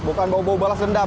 bukan bau bau balas dendam